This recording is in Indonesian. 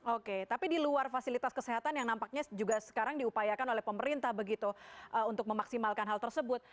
oke tapi di luar fasilitas kesehatan yang nampaknya juga sekarang diupayakan oleh pemerintah begitu untuk memaksimalkan hal tersebut